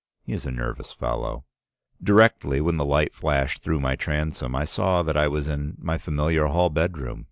He is a nervous fellow. "Directly, when the light flashed through my transom, I saw that I was in my familiar hall bedroom.